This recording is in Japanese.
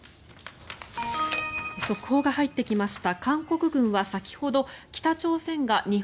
速報が入ってきました。